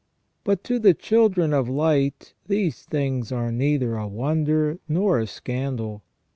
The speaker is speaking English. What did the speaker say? But to the children of light these things are neither a wonder nor a scandal.